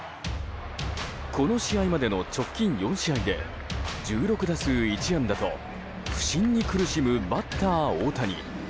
この試合までの直近４試合で１６打数１安打と不振に苦しむバッター、大谷。